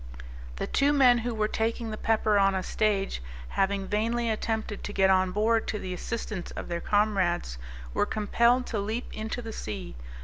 The two men who were taking the pepper on a stage, having vainly attempted to get on board to the assistance of their comrades, were compelled to leap into the sea.